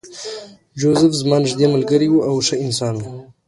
جوزف زما نږدې ملګری و او ښه انسان و